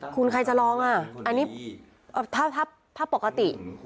คุณใครจะลองอ่ะอันนี้ภาพปกติ